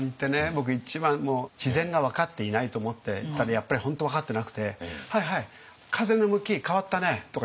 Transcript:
僕一番自然が分かっていないと思ってたらやっぱり本当分かってなくて「はいはい風の向き変わったね」とか言われる。